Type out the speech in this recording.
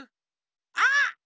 あっ！